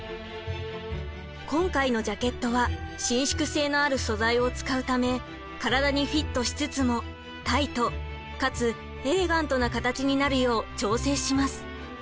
今回のジャケットは伸縮性のある素材を使うためからだにフィットしつつもタイトかつエレガントな形になるよう調整します。